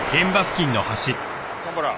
蒲原。